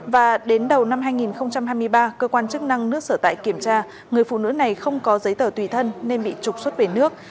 và đến đầu năm hai nghìn hai mươi ba cơ quan chức năng nước sở tại kiểm tra người phụ nữ này không có giấy tờ tùy thân nên bị trục xuất về nước